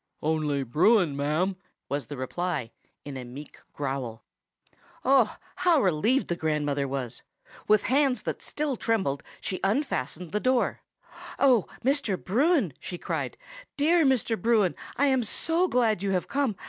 "Only Bruin, ma'am," was the reply, in a meek growl. Oh, how relieved the grandmother was! With hands that still trembled she unfastened the door. "Oh, Mr. Bruin!" she cried. "Dear Mr. Bruin, I am so glad you have come!